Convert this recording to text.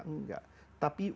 sholah itu gak ada kata perintah